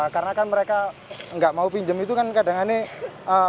karena kan mereka nggak mau pinjam itu kan kadang kadang nih